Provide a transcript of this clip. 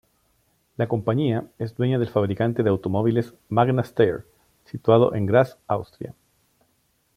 La compañía es dueña del fabricante de automóviles Magna Steyr situado en Graz, Austria.